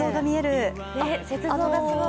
雪像がすごい。